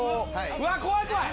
うわあ怖い怖い！